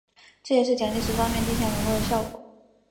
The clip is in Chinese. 这也是蒋介石方面金钱拢络的效果。